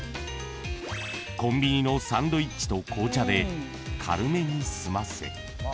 ［コンビニのサンドイッチと紅茶で軽めに済ませ］